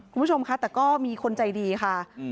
คุณผู้ชมค่ะแต่ก็มีคนใจดีค่ะ